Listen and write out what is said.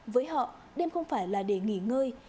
với họ đêm không phải là để nghỉ ngơi